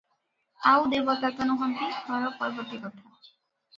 ଆଉ ଦେବତା ତ ନୁହନ୍ତି; ହର ପାର୍ବତୀ କଥା ।